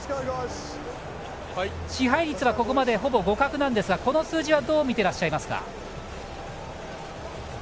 支配率はここまでほぼ互角なんですが、この数字はどう見ていらっしゃいますか。